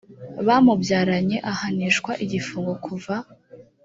bamubyaranye ahanishwa igifungo kuva ku